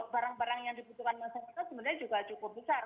barang barang yang dibutuhkan masyarakat sebenarnya juga cukup besar